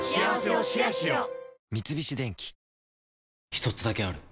一つだけある。